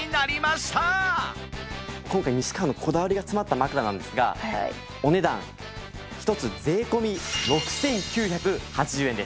今回西川のこだわりが詰まった枕なんですがお値段１つ税込６９８０円です。